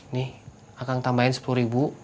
nih akan tambahin sepuluh ribu